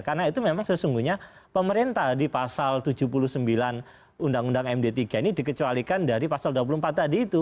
karena itu memang sesungguhnya pemerintah di pasal tujuh puluh sembilan undang undang md tiga ini dikecualikan dari pasal dua puluh empat tadi itu